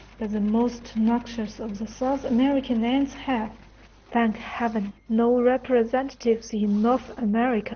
But the most noxious of the South American ants have, thank heaven, no representatives in North America.